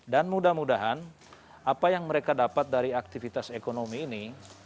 dan mudah mudahan apa yang mereka dapat dari aktivitas ekonomi ini